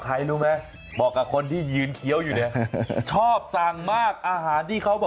ข้างบัวแห่งสันยินดีต้อนรับทุกท่านนะครับ